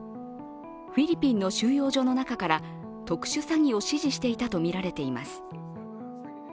フィリピンの収容所の中から特殊詐欺を指示したとみられています。